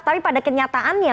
tapi pada kenyataannya